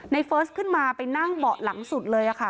เฟิร์สขึ้นมาไปนั่งเบาะหลังสุดเลยค่ะ